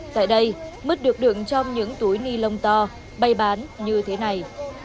tại đây mứt được đựng trong những túi ni lông to bày bán như thế này